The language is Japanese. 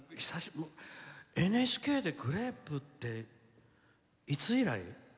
ＮＨＫでグレープっていついらい？